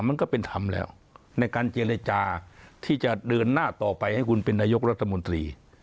มันก็เป็นธรรมแล้วในการเจรจาที่จะเดินหน้าต่อไปให้คุณเป็นนายกรัฐมนตรี